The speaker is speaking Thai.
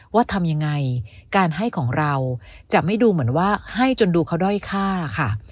ว่าทำยังไงการให้ของเราจะไม่ดูเหมือนว่าให้จนดูเขาด้อยค่าค่ะ